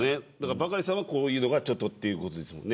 バカリさんは、こういうのがちょっとということですもん